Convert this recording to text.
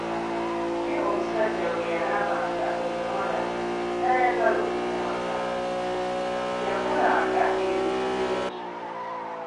Ye omusajja bwe yalabanga omuwala n’ayagala okumuwasa, yakolanga ebintu bingi.